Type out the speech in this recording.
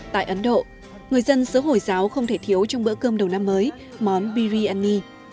tại ấn độ người dân xứ hồi giáo không thể thiếu trong bữa cơm đầu năm mới món biryani